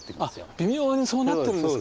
微妙にそうなってるんですか。